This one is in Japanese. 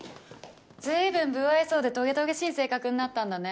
随分無愛想でとげとげしい性格になったんだね。